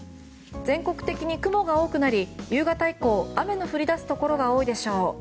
全国的に雲が多くなり、夕方以降雨の降りだすところが多いでしょう。